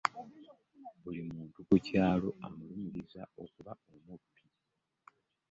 Buli muntu ku kyaalo amulumiriza okuba omubbi.